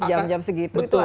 jam jam segitu itu